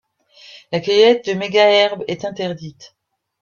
La cueillette de mégaherbes est interdite.